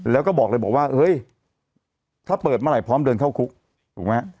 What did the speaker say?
แล้วก็บอกเลยบอกว่าเฮ้ยถ้าเปิดเมื่อไหร่พร้อมเดินเข้าคุกถูกไหม